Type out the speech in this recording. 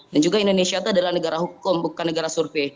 dan juga indonesia itu adalah negara hukum bukan negara survei